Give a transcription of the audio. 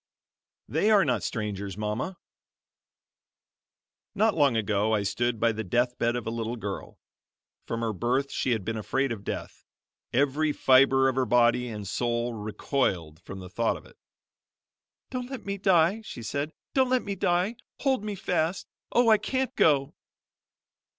"THEY ARE NOT STRANGERS, MAMA" Not long ago I stood by the death bed of a little girl. From her birth she had been afraid of death. Every fiber of her body and soul recoiled from the thought of it, "Don't let me die," she said; "don't let me die. Hold me fast Oh, I can't go!"